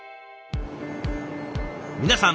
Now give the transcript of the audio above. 皆さん